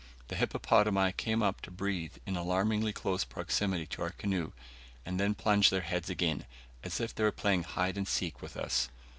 The hippopotami came up to breathe in alarmingly close proximity to our canoe, and then plunged their heads again, as if they were playing hide and seek with us.